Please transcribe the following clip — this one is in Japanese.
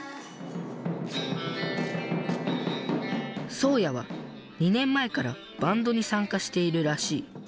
そうやは２年前からバンドに参加しているらしい。